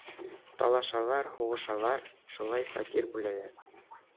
Талашалар, һуғышалар, шулай фатир бүләләр!